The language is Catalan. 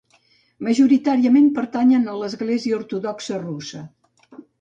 Majoritàriament pertanyen a l'església ortodoxa russa.